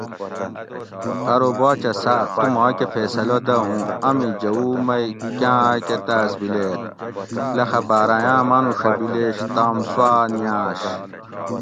ارو باچہ صاۤب تُو ماکہ فیصلہ دہ اُوں امی جوؤ مئی کاۤں آۤکہ تاۤس بِلیت؟ لخہ باراۤیاۤں مانوڛہ بِلیش تام سُوآۤ نیاۤش